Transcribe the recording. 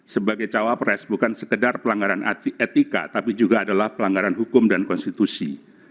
sebagai cawapres bukan sekedar pelanggaran etika tapi juga adalah pelanggaran hukum dan konstitusi